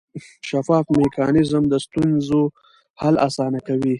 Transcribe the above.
شفاف میکانیزم د ستونزو حل اسانه کوي.